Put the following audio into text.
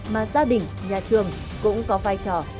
mà gia đình nhà trường cũng có vai trò hết sức quan trọng